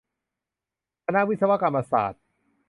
คณะวิศวกรรมศาสตร์